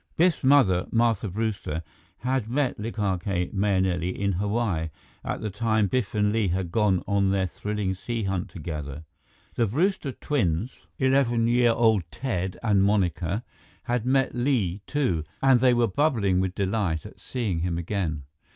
Biff's mother, Martha Brewster, had met Likake Mahenili in Hawaii at the time Biff and Li had gone on their thrilling sea hunt together. The Brewster twins, eleven year old Ted and Monica, had met Li, too, and they were bubbling with delight at seeing him again.